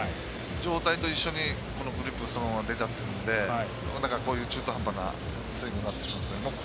上体と一緒にグリップが出ちゃったのでこういう中途半端なスイングになってしまいます。